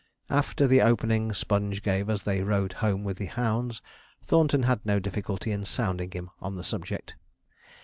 After the opening Sponge gave as they rode home with the hounds, Thornton had no difficulty in sounding him on the subject.